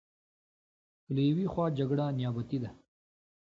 که له یوې خوا جګړه نیابتي ده.